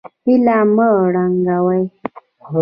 هیله مه ړنګوئ